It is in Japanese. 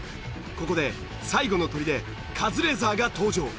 ここで最後の砦カズレーザーが登場。